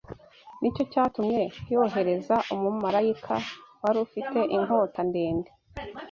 Ni cyo cyatumye yohereza umumarayika wari ufite inkota ndende